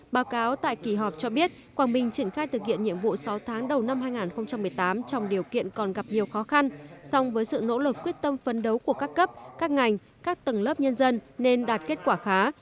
báo cáo tại kỳ họp cho biết quảng bình triển khai thực hiện nhiệm vụ sáu tháng đầu năm hai nghìn một mươi tám trong điều kiện còn gặp nhiều khó khăn song với sự nỗ lực quyết tâm phấn đấu của các cấp các ngành các tầng lớp nhân dân nên đạt kết quả khá